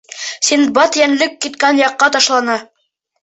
Синдбад йәнлек киткән яҡҡа ташлана.